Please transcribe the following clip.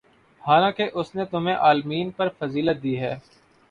حالانکہ اس نے تمہیں عالمین پر فضیلت دی ہے